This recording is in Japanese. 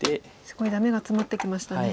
すごいダメがツマってきましたね。